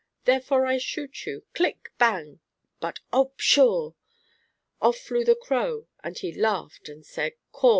Therefore I shoot you." Click! Bang! but, oh pshaw! Off flew the crow, and he laughed and said "Caw."